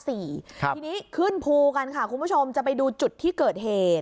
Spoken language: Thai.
ทีนี้ขึ้นภูกันค่ะคุณผู้ชมจะไปดูจุดที่เกิดเหตุ